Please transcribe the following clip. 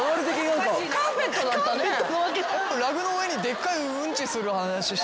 ラグの上にでっかいうんちする話。